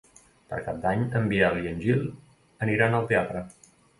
Per Cap d'Any en Biel i en Gil aniran al teatre.